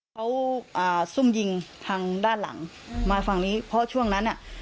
เขาอ่าซุ่มยิงทางด้านหลังมาฝั่งนี้เพราะช่วงนั้นอ่ะ